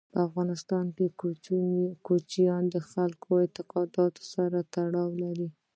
په افغانستان کې کوچیان د خلکو د اعتقاداتو سره تړاو لري.